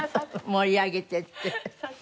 「盛り上げて」って。